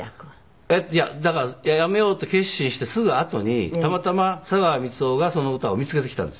いやだから辞めようと決心してすぐあとにたまたま佐川満男がその歌を見つけてきたんです。